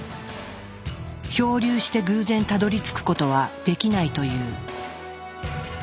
漂流して偶然たどりつくことはできないという。